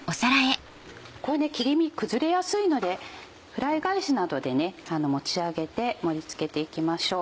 こういう切り身崩れやすいのでフライ返しなどで持ち上げて盛り付けていきましょう。